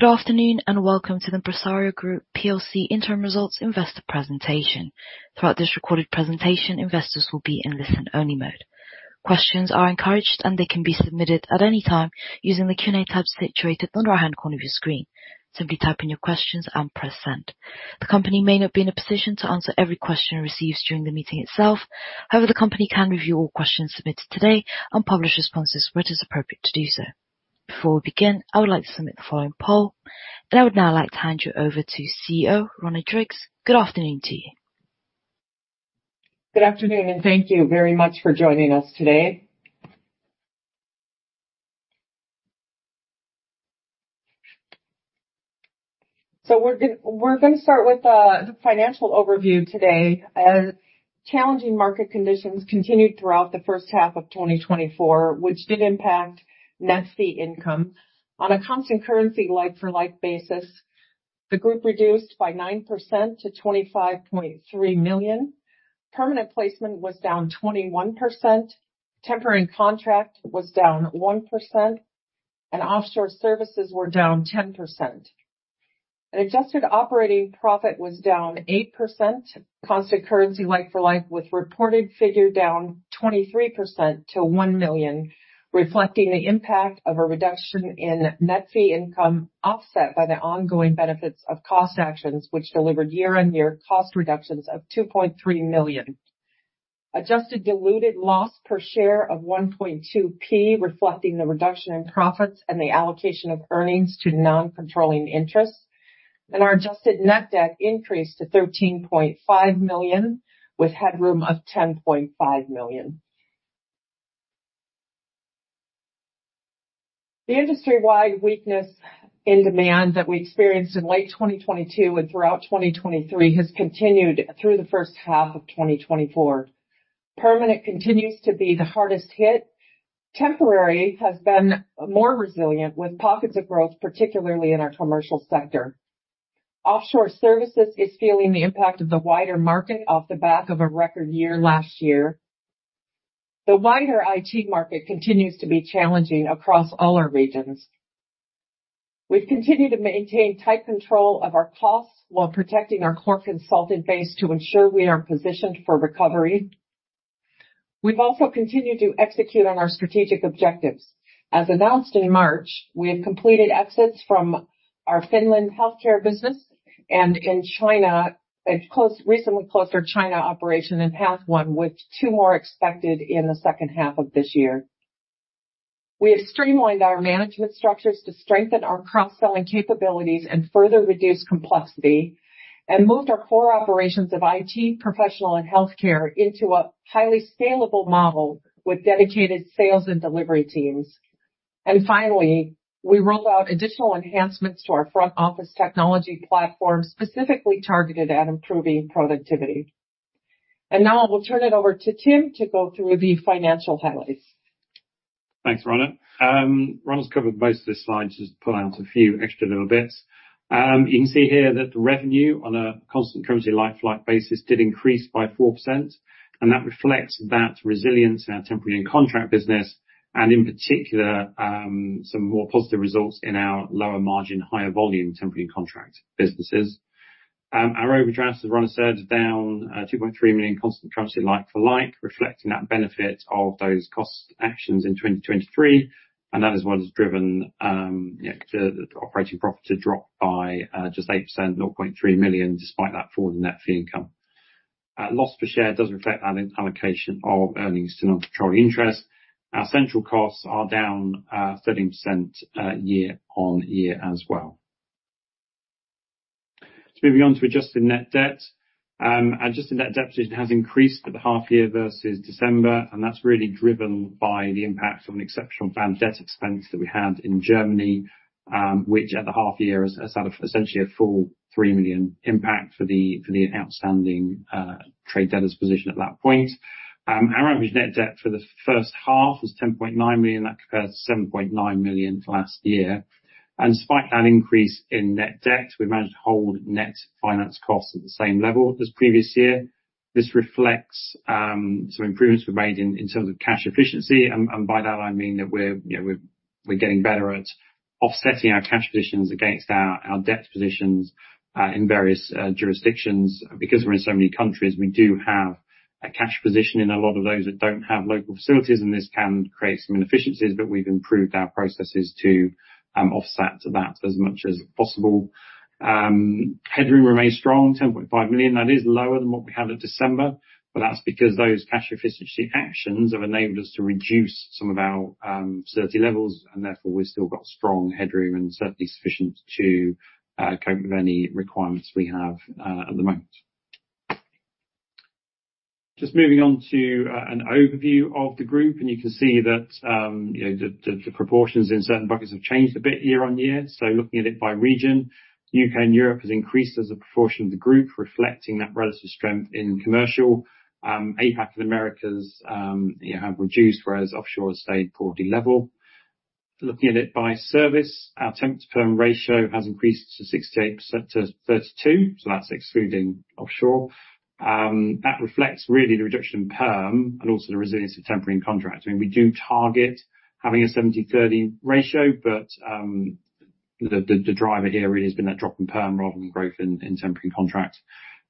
Good afternoon, and welcome to the Empresaria Group plc Interim Results Investor Presentation. Throughout this recorded presentation, investors will be in listen-only mode. Questions are encouraged, and they can be submitted at any time using the Q&A tab situated on the right-hand corner of your screen. Simply type in your questions and press send. The company may not be in a position to answer every question it receives during the meeting itself. However, the company can review all questions submitted today and publish responses where it is appropriate to do so. Before we begin, I would like to submit the following poll. I would now like to hand you over to CEO, Rhona Driggs. Good afternoon to you. Good afternoon, and thank you very much for joining us today. We're gonna start with the financial overview today. Challenging market conditions continued throughout the first half of 2024, which did impact net fee income. On a constant currency, like-for-like basis, the group reduced by 9% to 25.3 million. Permanent placement was down 21%, temporary and contract was down 1%, and offshore services were down 10%. And adjusted operating profit was down 8%, constant currency, like-for-like, with reported figure down 23% to 1 million, reflecting the impact of a reduction in net fee income, offset by the ongoing benefits of cost actions, which delivered year-on-year cost reductions of 2.3 million. Adjusted diluted loss per share of 1.2p, reflecting the reduction in profits and the allocation of earnings to non-controlling interests. And our adjusted net debt increased to 13.5 million, with headroom of 10.5 million. The industry-wide weakness in demand that we experienced in late 2022 and throughout 2023 has continued through the first half of 2024. Permanent continues to be the hardest hit. Temporary has been more resilient, with pockets of growth, particularly in our commercial sector. Offshore services is feeling the impact of the wider market off the back of a record year last year. The wider IT market continues to be challenging across all our regions. We've continued to maintain tight control of our costs while protecting our core consultant base to ensure we are positioned for recovery. We've also continued to execute on our strategic objectives. As announced in March, we have completed exits from our Finland healthcare business, and in China, recently closed our China operation in the half one, with two more expected in the second half of this year. We have streamlined our management structures to strengthen our cross-selling capabilities and further reduce complexity, and moved our core operations of IT professional and healthcare into a highly scalable model with dedicated sales and delivery teams. Finally, we rolled out additional enhancements to our front office technology platform, specifically targeted at improving productivity. Now I will turn it over to Tim to go through the financial highlights. Thanks, Rhona. Rhona's covered most of the slides. Just pull out a few extra little bits. You can see here that the revenue on a constant currency, like-for-like basis, did increase by 4%, and that reflects that resilience in our temporary and contract business, and in particular, some more positive results in our lower margin, higher volume, temporary and contract businesses. Our overdraft, as Rhona said, is down 2.3 million constant currency like-for-like, reflecting that benefit of those cost actions in 2023, and that is what has driven, you know, the operating profit to drop by just 8%, 0.3 million, despite that fall in net fee income. Loss per share does reflect that allocation of earnings to non-controlling interests. Our central costs are down 13%, year-on-year as well. Moving on to adjusted net debt. Adjusted net debt position has increased at the half year versus December, and that's really driven by the impact of an exceptional bad debt expense that we had in Germany, which at the half year is essentially a full 3 million impact for the outstanding trade debtors position at that point. Our average net debt for the first half was 10.9 million. That compares to 7.9 million for last year, and despite that increase in net debt, we managed to hold net finance costs at the same level as previous year. This reflects some improvements we've made in terms of cash efficiency, and by that I mean that we're, you know, getting better at offsetting our cash positions against our debt positions in various jurisdictions. Because we're in so many countries, we do have a cash position in a lot of those that don't have local facilities, and this can create some inefficiencies, but we've improved our processes to offset that as much as possible. Headroom remains strong, 10.5 million. That is lower than what we had at December, but that's because those cash efficiency actions have enabled us to reduce some of our facility levels, and therefore, we've still got strong headroom and certainly sufficient to cope with any requirements we have at the moment. Just moving on to an overview of the group, and you can see that, you know, the proportions in certain buckets have changed a bit year on year. So looking at it by region, U.K. and Europe has increased as a proportion of the group, reflecting that relative strength in commercial. APAC and Americas, you know, have reduced, whereas offshore has stayed broadly level. Looking at it by service, our temp to perm ratio has increased to 68% to 32%, so that's excluding offshore. That reflects really the reduction in perm and also the resilience of temporary and contract. I mean, we do target having a 70/30 ratio, but. The driver here really has been that drop in perm rather than growth in temporary and contract.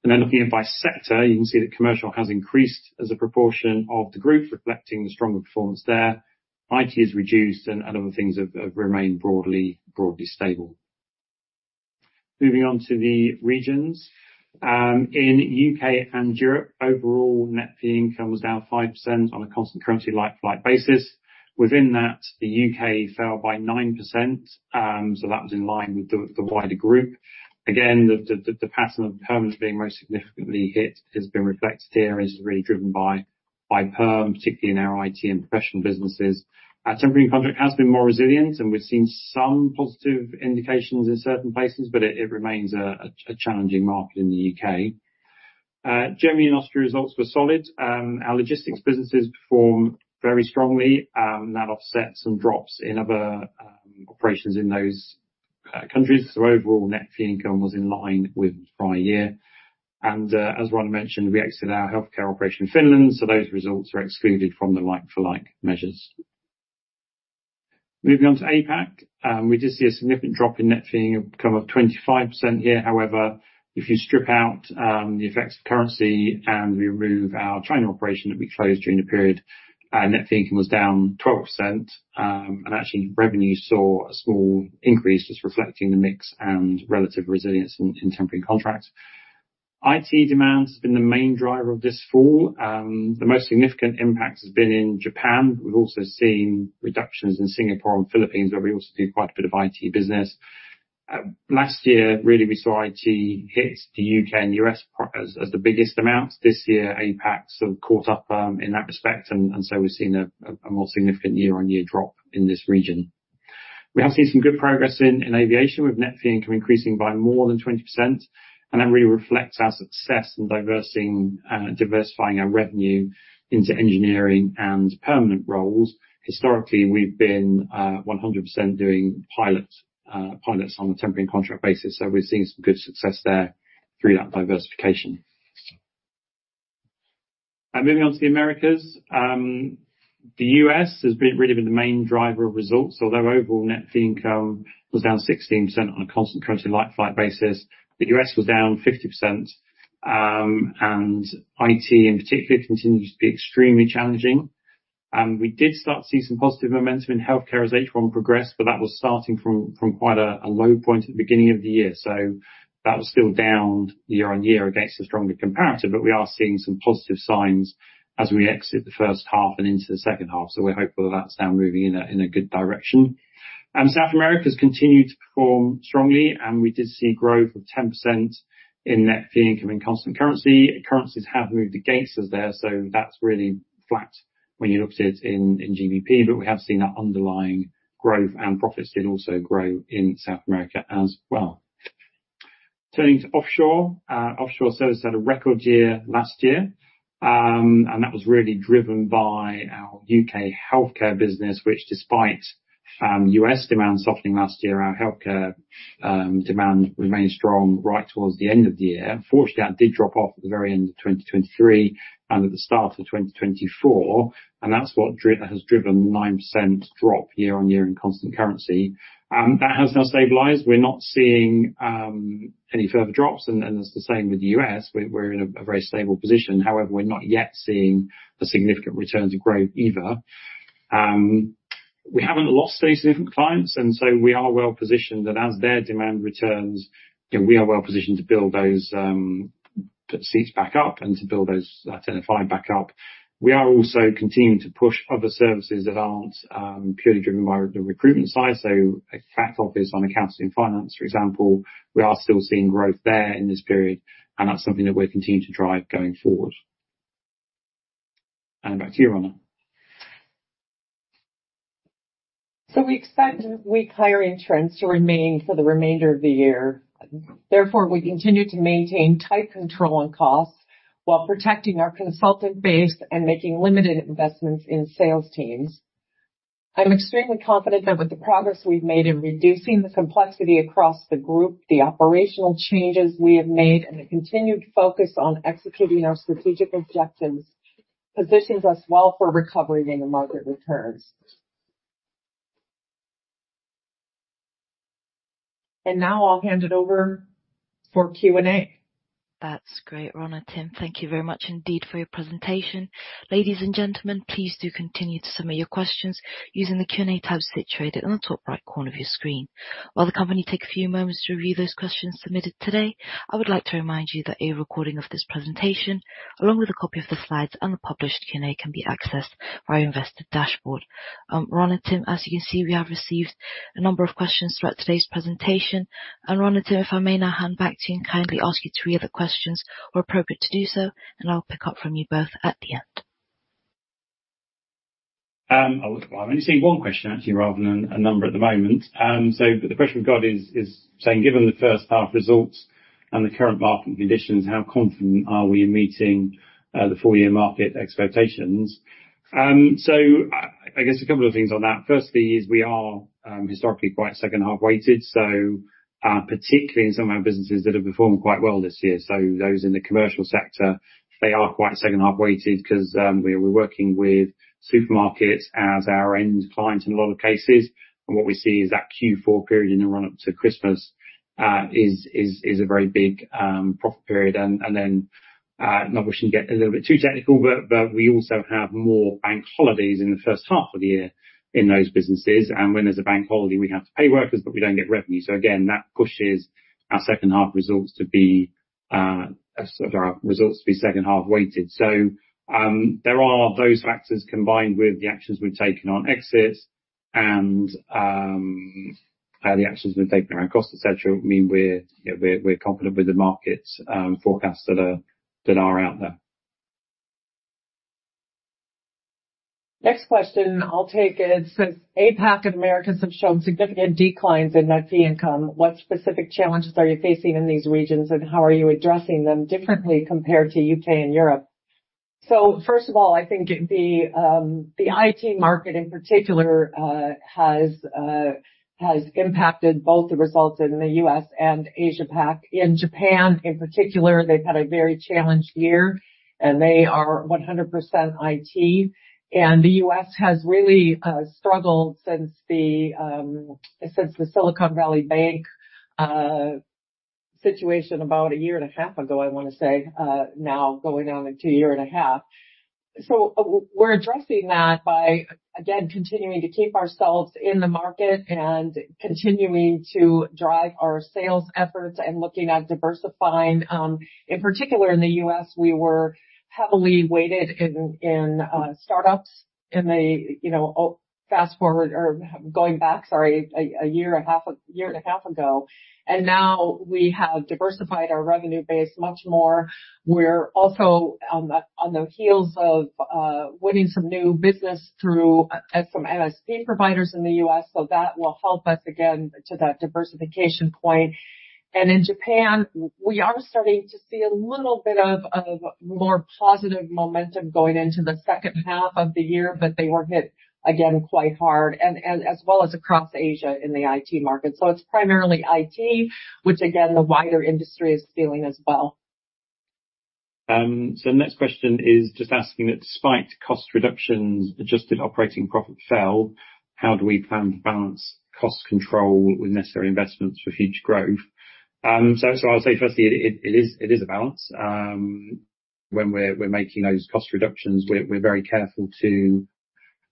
And then looking at by sector, you can see that commercial has increased as a proportion of the group, reflecting the stronger performance there. IT has reduced, and other things have remained broadly stable. Moving on to the regions. In U.K. and Europe, overall net fee income was down 5% on a constant currency, like-for-like basis. Within that, the U.K. fell by 9%, so that was in line with the wider group. Again, the pattern of perm as being most significantly hit has been reflected here, and is really driven by perm, particularly in our IT and professional businesses. Our temporary and contract has been more resilient, and we've seen some positive indications in certain places, but it remains a challenging market in the U.K. Germany and Austria results were solid. Our logistics businesses performed very strongly, and that offsets some drops in other operations in those countries, so overall, net fee income was in line with prior year, and as Rhona mentioned, we exited our healthcare operation in Finland, so those results are excluded from the like-for-like measures. Moving on to APAC, we did see a significant drop in net fee income of 25% here. However, if you strip out the effects of currency and remove our China operation that we closed during the period, our net fee income was down 12%, and actually, revenue saw a small increase, just reflecting the mix and relative resilience in temporary and contract. IT demand has been the main driver of this fall. The most significant impact has been in Japan. We've also seen reductions in Singapore and Philippines, where we also do quite a bit of IT business. Last year, really, we saw IT hit the U.K. and U.S. as the biggest amounts. This year, APAC sort of caught up in that respect, and so we've seen a more significant year-on-year drop in this region. We have seen some good progress in aviation, with net fee income increasing by more than 20%, and that really reflects our success in diversifying our revenue into engineering and permanent roles. Historically, we've been 100% doing pilots on a temporary and contract basis, so we're seeing some good success there through that diversification. Moving on to the Americas, the U.S. has been really the main driver of results, although overall net fee income was down 16% on a constant currency like-for-like basis, the U.S. was down 50%. IT, in particular, continues to be extremely challenging. We did start to see some positive momentum in healthcare as H1 progressed, but that was starting from quite a low point at the beginning of the year. That was still down year-on-year against a stronger comparator, but we are seeing some positive signs as we exit the first half and into the second half. We're hopeful that's now moving in a good direction. South America has continued to perform strongly, and we did see growth of 10% in net fee income in constant currency. Currencies have moved against us there, so that's really flat when you look at it in GBP, but we have seen that underlying growth, and profits did also grow in South America as well. Turning to offshore, offshore service had a record year last year, and that was really driven by our U.K. healthcare business, which, despite U.S. demand softening last year, our healthcare demand remained strong right towards the end of the year. Unfortunately, that did drop off at the very end of 2023, and at the start of 2024, and that's what has driven a 9% drop year-on-year in constant currency. That has now stabilized. We're not seeing any further drops, and it's the same with the U.S. We're in a very stable position. However, we're not yet seeing a significant return to growth either. We haven't lost those different clients, and so we are well-positioned, and as their demand returns, then we are well-positioned to build those seats back up and to build those temps and perms back up. We are also continuing to push other services that aren't purely driven by the recruitment side. So a back office on accounts and finance, for example, we are still seeing growth there in this period, and that's something that we're continuing to drive going forward. And back to you, Rhona. So we expect weak hiring trends to remain for the remainder of the year. Therefore, we continue to maintain tight control on costs while protecting our consultant base and making limited investments in sales teams. I'm extremely confident that with the progress we've made in reducing the complexity across the group, the operational changes we have made, and the continued focus on executing our strategic objectives, positions us well for recovery when the market returns. And now I'll hand it over for Q&A. That's great, Rhona and Tim, thank you very much indeed for your presentation. Ladies and gentlemen, please do continue to submit your questions using the Q&A tab situated on the top right corner of your screen. While the company takes a few moments to review those questions submitted today, I would like to remind you that a recording of this presentation, along with a copy of the slides and the published Q&A, can be accessed via investor dashboard. Rhona and Tim, as you can see, we have received a number of questions throughout today's presentation, and Rhona and Tim, if I may now hand back to you and kindly ask you three of the questions where appropriate to do so, and I'll pick up from you both at the end. Well, I've only seen one question, actually, rather than a number at the moment. So the question we've got is saying: "Given the first half results and the current market conditions, how confident are we in meeting the full year market expectations?" So I guess a couple of things on that. Firstly, we are historically quite second-half weighted, so particularly in some of our businesses that have performed quite well this year. So those in the commercial sector, they are quite second-half weighted because we're working with supermarkets as our end clients in a lot of cases. And what we see is that Q4 period in the run-up to Christmas is a very big profit period. And then-... Not wishing to get a little bit too technical, but we also have more bank holidays in the first half of the year in those businesses, and when there's a bank holiday, we have to pay workers, but we don't get revenue. So again, that pushes our second half results to be sort of our results to be second half weighted. So there are those factors, combined with the actions we've taken on exits and how the actions we've taken around cost, et cetera, mean we're, you know, confident with the market's forecasts that are out there. Next question I'll take is, "Since APAC and Americas have shown significant declines in net fee income, what specific challenges are you facing in these regions, and how are you addressing them differently compared to U.K. and Europe?" First of all, I think the IT market, in particular, has impacted both the results in the U.S. and Asia-Pac. In Japan, in particular, they've had a very challenged year, and they are 100% IT, and the U.S. has really struggled since the Silicon Valley Bank situation about a year and a half ago, I want to say, now going on two years and a half. We're addressing that by, again, continuing to keep ourselves in the market and continuing to drive our sales efforts and looking at diversifying. In particular in the U.S., we were heavily weighted in start-ups, you know, a year and a half ago. And now we have diversified our revenue base much more. We're also on the heels of winning some new business through some MSP providers in the U.S., so that will help us again, to that diversification point. And in Japan, we are starting to see a little bit of more positive momentum going into the second half of the year, but they were hit again, quite hard and as well as across Asia in the IT market. So it's primarily IT, which again, the wider industry is feeling as well. The next question is just asking that despite cost reductions, adjusted operating profit fell, how do we plan to balance cost control with necessary investments for future growth? I'll say firstly, it is a balance. When we're making those cost reductions, we're very careful to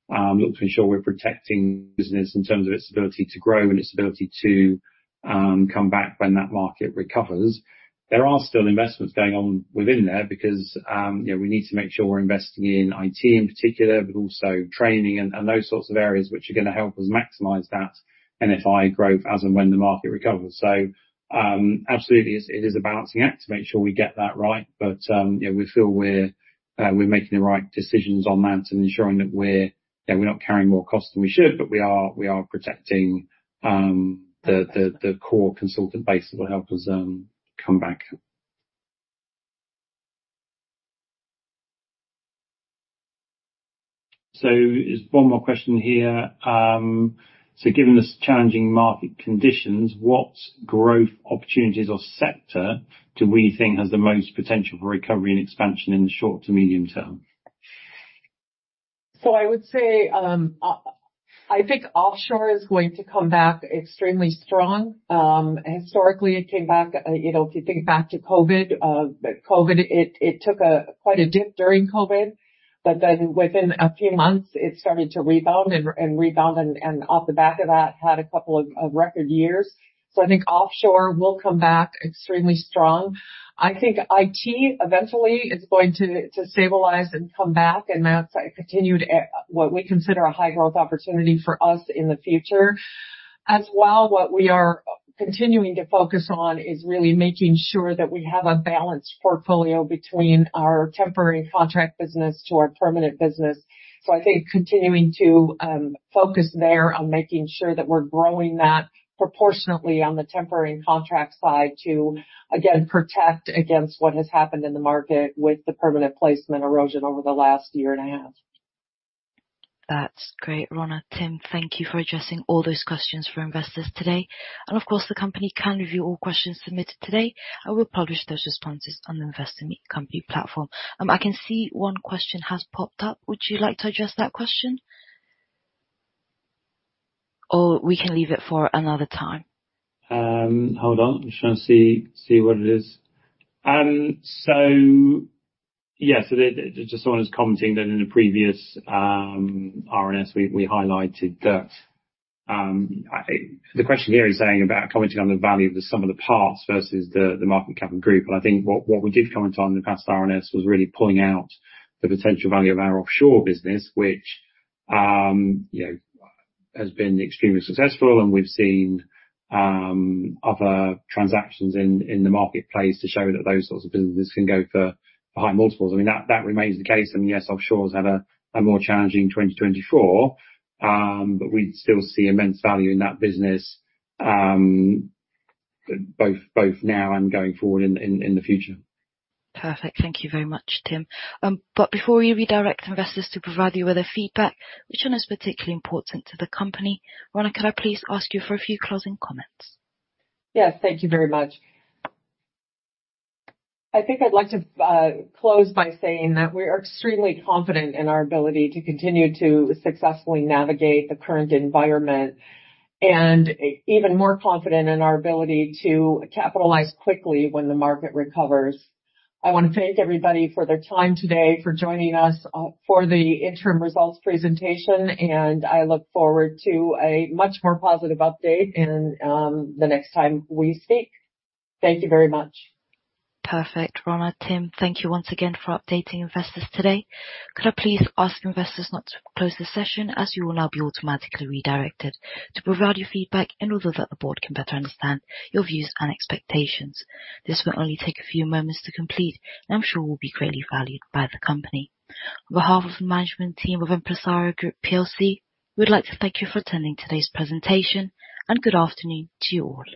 look to ensure we're protecting business in terms of its ability to grow and its ability to come back when that market recovers. There are still investments going on within there because, you know, we need to make sure we're investing in IT in particular, but also training and those sorts of areas which are gonna help us maximize that NFI growth as and when the market recovers. So, absolutely, it's a balancing act to make sure we get that right, but, you know, we feel we're making the right decisions on that and ensuring that we're, you know, we're not carrying more cost than we should, but we are protecting the core consultant base that will help us come back. So there's one more question here. "So given the challenging market conditions, what growth opportunities or sector do we think has the most potential for recovery and expansion in the short to medium-term? So I would say, I think offshore is going to come back extremely strong. Historically, it came back, you know, if you think back to COVID, it took quite a dip during COVID, but then within a few months, it started to rebound and rebound, and off the back of that, had a couple of record years. So I think offshore will come back extremely strong. I think IT eventually is going to stabilize and come back, and that's a continued what we consider a high growth opportunity for us in the future. As well, what we are continuing to focus on is really making sure that we have a balanced portfolio between our temporary contract business to our permanent business. So I think continuing to focus there on making sure that we're growing that proportionately on the temporary and contract side to, again, protect against what has happened in the market with the permanent placement erosion over the last year and a half. That's great, Rhona. Tim, thank you for addressing all those questions for investors today, and of course, the company can review all questions submitted today, and we'll publish those responses on the Investor Meet Company platform. I can see one question has popped up. Would you like to address that question, or we can leave it for another time. Hold on. Just trying to see what it is. So yes, just someone was commenting that in the previous RNS, we highlighted that. The question here is saying about commenting on the value of the sum of the parts versus the market cap of the group. I think what we did comment on in the past RNS was really pulling out the potential value of our offshore business, which you know has been extremely successful, and we've seen other transactions in the marketplace to show that those sorts of businesses can go for high multiples. I mean, that remains the case, and yes, offshore's had a more challenging 2024, but we still see immense value in that business, both now and going forward in the future. Perfect. Thank you very much, Tim, but before we redirect investors to provide you with their feedback, which one is particularly important to the company, Rhona, could I please ask you for a few closing comments? Yes. Thank you very much. I think I'd like to close by saying that we are extremely confident in our ability to continue to successfully navigate the current environment, and even more confident in our ability to capitalize quickly when the market recovers. I want to thank everybody for their time today, for joining us for the interim results presentation, and I look forward to a much more positive update in the next time we speak. Thank you very much. Perfect. Rhona, Tim, thank you once again for updating investors today. Could I please ask investors not to close this session, as you will now be automatically redirected to provide your feedback, and also that the board can better understand your views and expectations. This will only take a few moments to complete, and I'm sure will be greatly valued by the company. On behalf of the management team of Empresaria Group plc, we'd like to thank you for attending today's presentation, and good afternoon to you all.